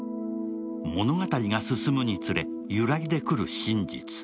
物語が進むにつれ揺らいでくる真実。